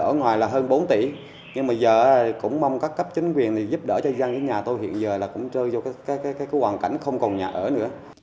ở ngoài là hơn bốn tỷ nhưng mà giờ cũng mong các cấp chính quyền thì giúp đỡ cho dân với nhà tôi hiện giờ là cũng trơi vô hoàn cảnh không còn nhà ở nữa